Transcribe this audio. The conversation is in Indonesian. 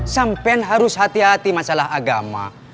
sampean harus hati hati masalah agama